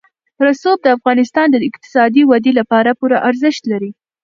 رسوب د افغانستان د اقتصادي ودې لپاره پوره ارزښت لري.